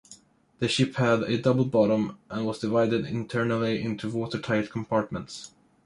The ship had a double bottom, and was divided internally into watertight compartments.